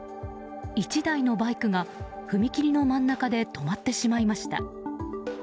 １台のバイクが踏切の真ん中で止まってしまいました。